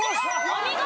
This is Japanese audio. お見事！